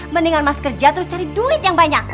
mendingan mas kerja terus cari duit yang banyak